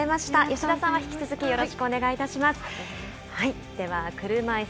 吉田さんは引き続きよろしくお願いします。